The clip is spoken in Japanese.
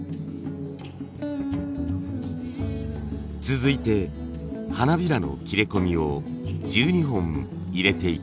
続いて花びらの切れ込みを１２本入れていきます。